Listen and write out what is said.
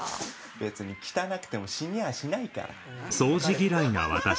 別に汚くても死にはしないから。